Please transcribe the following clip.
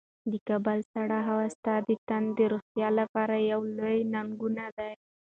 د کابل سړې هوا ستا د تن د روغتیا لپاره یوه لویه ننګونه ده.